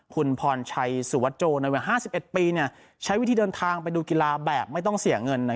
คุณพรชัยสุวโจรในวัย๕๑ปีใช้วิธีเดินทางไปดูกีฬาแบบไม่ต้องเสียเงิน